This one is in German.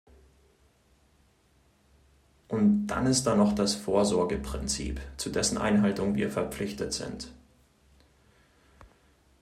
Und dann ist da noch das Vorsorgeprinzip, zu dessen Einhaltung wir verpflichtet sind.